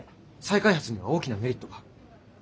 再開発には大きなメリットが。